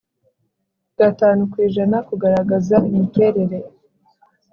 gatanu ku ijana kugaragaza imiterere